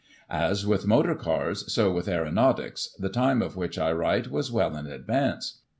As with motor cars, so with aeronautics, the time of which I write, was well in advance.